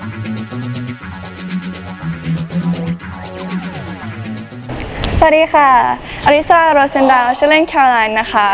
สวัสดีค่ะอลิซาโรเซนดาวชื่อเล่นแคลนด์นะคะ